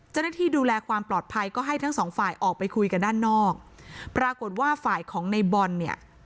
เจ้าหน้าที่ดูแลความปลอดภัยก็ให้ทั้งสองฝ่ายออกไปคุยกันด้านนอกปรากฏว่าฝ่ายของในบอลเนี่ย